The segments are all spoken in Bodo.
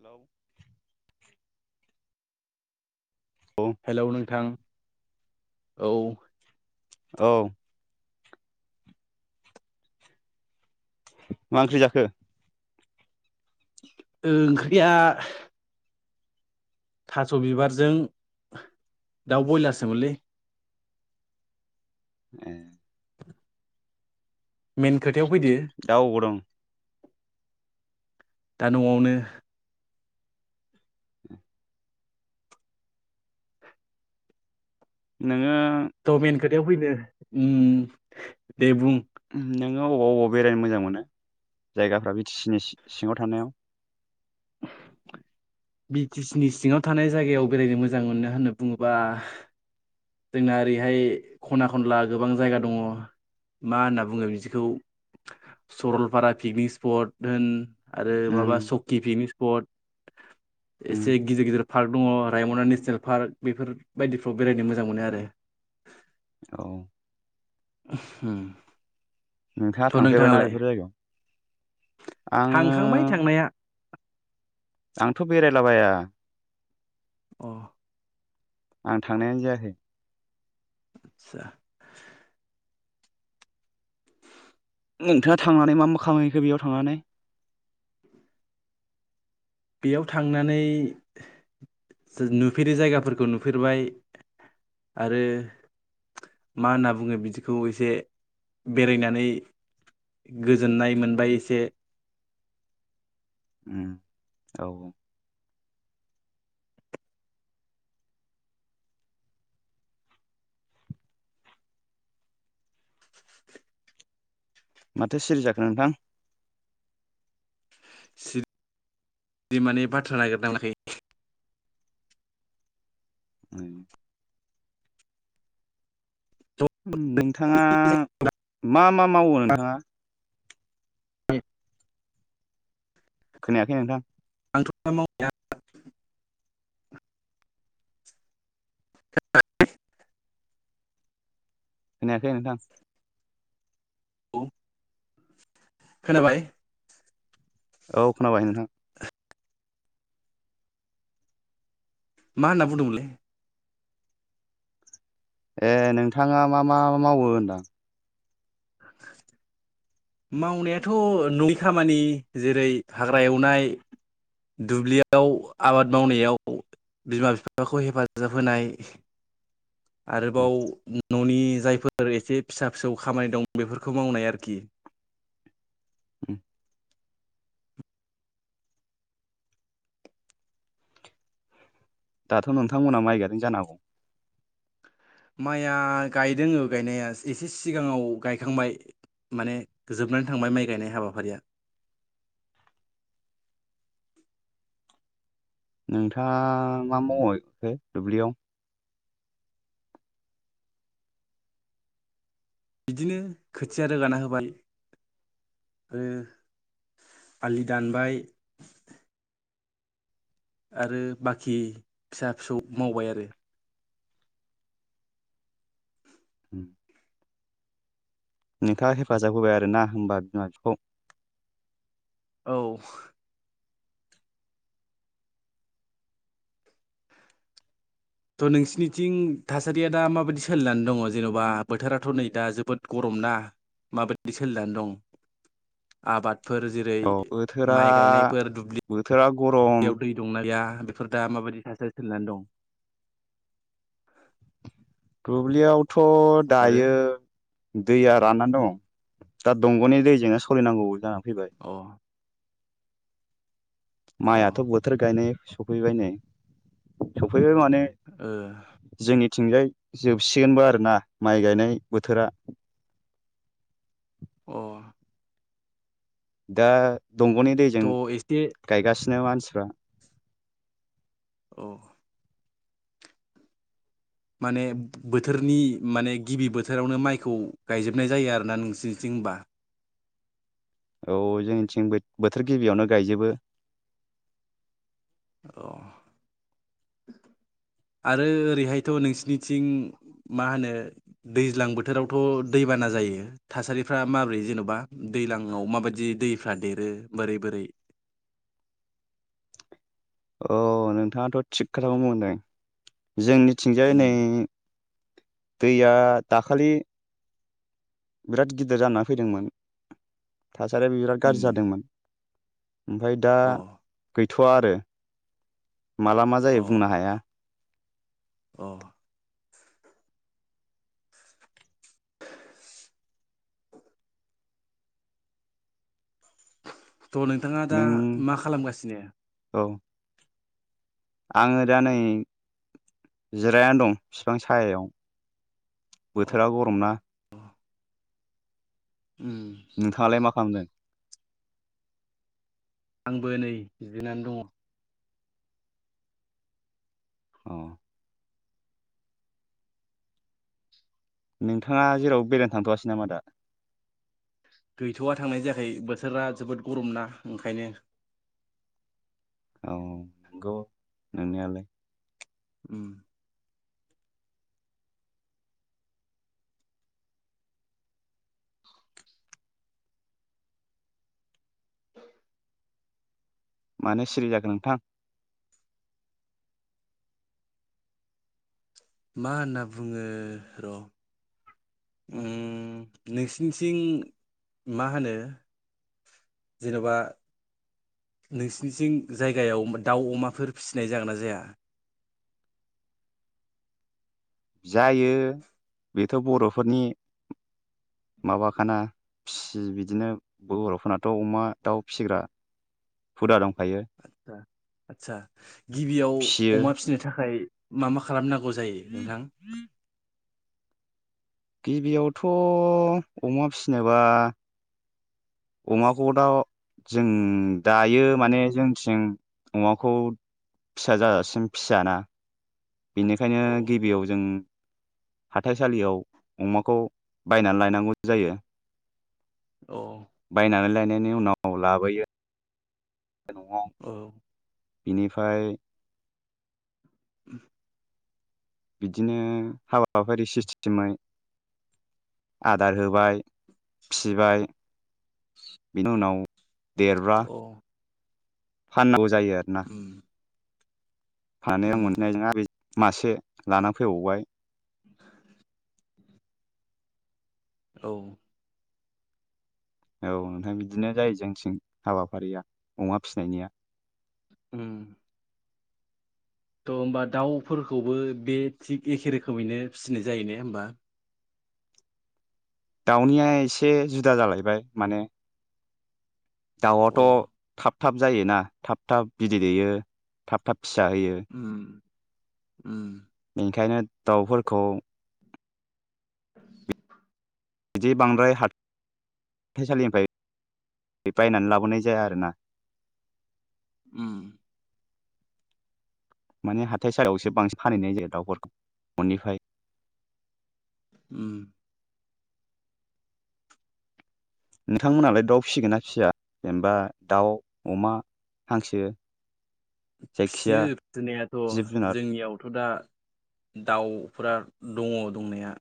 हेलौ औ हेलौ नोंथां औ औ मा ओंख्रि जाखो? ओंख्रिया थास' बिबारजों दाउ बयलारसोमोनलै ए मेन खोथायाव फैदो दा अबाव दं दा नआवनो नोङो थ' मेन खोथायाव फैदो उम दे बुं नोङो अबाव अबाव बेरायनो मोजां मोनो जायगाफ्रा बि टि सि नि सिङाव थानायाव [unintelligible] बिटिसिनि सिङाव थानाय जायगायाव बेरायनो मोजां मोनो होननानै बुङोबा जोंना ओरैहाय खना खनला गोबां जायगा दङ मा होनना बुङो बिदिखौ सरलपारा पिकनिक स्पट होन आरो उम माबा सकि पिकनिक स्पट उम एसे गिदिर गिदिर पार्क दङ रायमना नेसनेल पार्क बेफोर बायदिफ्राव बेरायनो मोजां मोनो आरो औ [unintelligible] नोंथाङा थ' थांफेरबायना नोंथाङालाय बेफोर जायगायाव आङो थांखांबाय थांनाया आंथ बेरायलाबाया औ आं थांनायानो जायाखै आतसा नोंथाङा थांनानै मा मा खामानिखो बेयाव थांनानै बेयाव थांनानै नुफेरै जायगाफोरखौ नुफेरबाय आरो मा होनना बुङो बिदिखौ एसे बेरायनानै गोजोननाय मोनबाय एसे उम औ औ माथो सिरि जाखो नोंथां बिदि माने बाथ्रा नागिरना मोनाखै उम नोंथाङा मा मा मावो नोंथाङा? [unintelligible] खोनायाखै नोंथां [unintelligible] मावनाया [unintelligible] खोनायाखै नोंथां खोनाबाय औ खोनाबाय नोंथां मा होनना बुंदोंमोनलै ए नोंथाङा मा मा मावो होनदां [inaudible] मावनायाथ ननि खामानि जेरै हाग्रा एवनाय दुब्लियाव आबाद मावनायाव बिमा बिफाखौ हेफाजाब होनाय [unintelligible] आरोबाव ननि जायफोर एसे फिसा फिसौ खामानि दं बेफोरखौ मावनाय आरोखि औ दाथ नोंथांमोना माइ गाजों जानांगौ माइया गायदों गायनाया एसे सिगाङाव गायखांबाय। माने जोबनानै थांबाय माइ गायनाय हाबाफारिया। [inaudible] नोंथाङा मा मावहैखो दुब्लियाव? बिदिनो खोथिया रोगाना होबाय। उम आलि दानबाय, आरो बाखि फिसा फिसौ मावबाय आरो। उम नोंथाङा हेफाजाब होबाय आरोना होनबा बिमा बिफाखौ औ। थ' नोंसिनिथिं थासारिया दा माबायदि सोलिनानै दङ जेन'बा बोथोराथ' नै दा जोबोद गरम ना माबायदि सोलिनानै दं? आबाद फोर जेरै औ बोथोरा माइ गायनायफोर दुब्लि बोथोरा गरम याव दै दंना गैया? बेफोर दा माबायदि थासारि सोलिनानै दं? दुब्लियावथ' आरो दायो दैया राननानै दं। दा दंग'नि दैजोंनो सोलिनांगौ जानानै फैबाय। अ अ माइआथ' बोथोर गायनाय सफैबाय नै। सौ बेबो माने जोंनि थिंजाय जोबसिगोनबो आरो ना माइ गायनाय बोथोरा। अ दा दंग'नि दैजों थ' एसे गायगासिनो मानसि [unintelligible] औ माने बोथोरनि माने गिबि बोथोरावनो माइखौ गायजोबनाय जायो आरोना नोंसिनिथिं ओमबा। औ जोंनिथिं बोथोर गिबियावनो गायजोबो। अ [inaudible] आरो ओरैहायथ' नोंसिनिथिं मा होनो दैज्लां बोथोरावथ' दैबाना [unintelligible] जायो थासारिफ्रा माबोरै जेन'बा दैज्लांआव माबायदि दैफ्रा देरो बोरै बोरै [inaudible] अ नोंथाङाथ' थिग खोथाखौनो बुंदों जोंनिथिंजाय उम नै दैया दाखालि बिराद गिदिर जानानै फैदोंमोन। थासारियाबो बिराद उम गाज्रि जादोंमोन। ओमफ्राय दा अ गैथ'वा आरो माला मा जायो अ बुंनो हाया। अ [inaudible] थ' नोंथाङा दा नों मा खालामगासिनो? औ आङो दा नै जिरायना दं बिफां सायायाव। बोथोरा गरम ना? उम नोंथाङालाय मा खालामदों? आंबो नै जिरनानै दङ। अ नोंथाङा जेराव बेरायनो थांथ'आसै नामा दा? गैथ'वा थांनाय जायाखै बोथोरा जोबोद गरमना ओंखायनो औ नंगौ। नोंनियालाय? उम। मानो सिरि जाखो नोंथां? मा होनना बुङो र' उम नोंसिनिथिं मा होनो। जेनेबा नोंसनिथिं जायगायाव दाउ अमाफोर फिसिनाय जागोन ना जाया जायो बेथ' बर'फोरनि माबाखाना फिसियो बिदिनो बर'फोरनाथ' अमा दाउ फिसिग्रा हुदा दं। आदसा आदसा गिबियाव फिसियो अमा फिसिनो थाखाय मा मा खालामनांगौ। नांगौ जायो नोंथां गिबियावथ' अमा फिसिनोबा अमाखौ दा जों दायो माने जोंथिं अमाखौ फिसा जाजासिम फिसियाना बेनिखायनो अ गिबियाव जों हाथाइसालियाव अमाखौ बायनानै लायनांगौ जायो। अ औ बायनानै लायनायनि उनाव लाबोयो। न' आव बिनिफाय उ [unintelligible] बिदिनो हाबााफारि सिस्टेमै आदार होबाय फिसिबाय बेनि उनाव देरब्रा अ फाननांगौ जायो आरोना उम फाननायजों उम मोन्नायजों आरिजों मासे लाना फैबावबाय [inaudible] औ औ नोंथां बिदिनो जायो जोंथिं हाबाफारिया अमा फिसिनायनिया उम थ' होमबा दाउफोरखौबो बे थिग एखे रोखोमैनो फिसिनाय जायो ने होमबा दाउनिया एसे जुदा जालायबाय माने दाउआथ' अ थाब थाब जायोना थाब थाब बिदै दैेयो थाब थाबाब फिसा होयो उम उम ओंखायनो दाउफोरखौ बिदि बांद्राय हा हाथाइसालिनिफ्राय बायनानै लाबोनाय जाया आरो ना उम माने हाथाइ सायावसो बांसिन फानहैनाय जायो दाउफोरखौ ननिफ्राय उम नोंथांमोनालाय दाउ फिसिगोन ना फिसिया जेनेबा दाउ अमा हांसो जायखिया फिसियो फिसिनायाथ' जिब जुनार जोंनियावथ' दा दाउ फोरा दङ दंनाया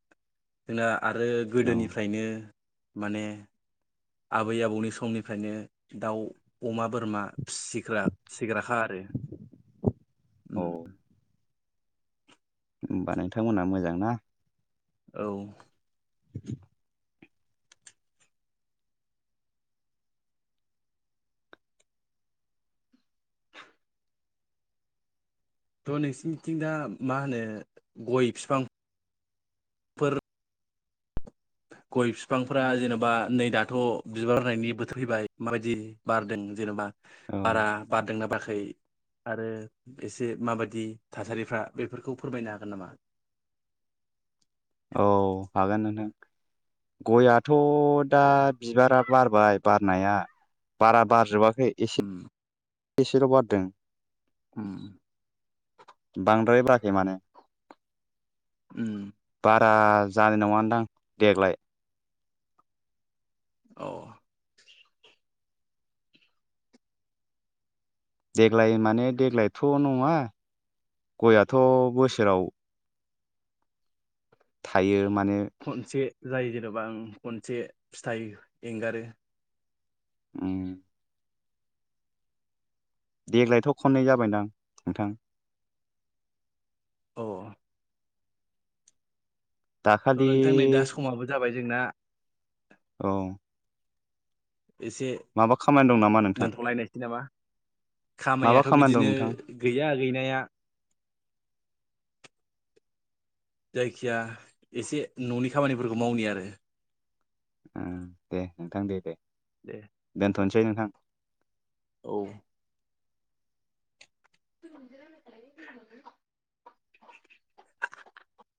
जोंना आरो औ गोदोनिफ्रायनो माने आबै आबौनि समनिफ्रायनो दाउ अमा बोरमा फिसिग्रा फिसिग्राखा आरो औ उम होमबा नोंथांमोनहा मोजां ना? औ [inaudible] थ' नोंसिरनिथिं दा मा होनो गय फिफां गय फिफांफ्रा जेनेबा नै दाथ' बिबार होनायनि बोथोर फैबाय माबायदि बारदों जेनेबा औ बारा बारदोंना बाराखै आरो एसे माबायदि थासारिफ्रा बेफोरखौ फोरमायनो हागोन नामा? [unintelligible] औ हागोन नोंथां गयाथ' दा अ बिबारा बारबाय बारनाया बारा बारजोबाखै एसे उम बेसेल' बारदों उम बांद्रायबाखै माने उम बारा जानाय नङानदां देग्लाय। औ देग्लाय माने देग्लायथ' नङा गआथ' बोसोराव थायो माने खनसे जायो जेन'बा आं खनसे फिथाइ एंगारो औ देग्लायथ' खननै जाबायदां नोंथां? अ थ' दाखालि नोंथां नै दा समाबो जाबाय जोंना औ एसे माबा खामानि दं नामा नोंथां दोनथ'लायनायसै नामा? माबा खामाययाथ' खामानि दं बिदिनो नोंथां गैया गैनाया जायखिया एसे न'नि खामानिफोरखौ मावनि आरो दे नोंथां दे दे दे। दथ'नोसै नोंथां। औ [unintelligible]